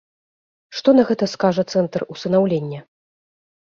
Што на гэта скажа цэнтр усынаўлення?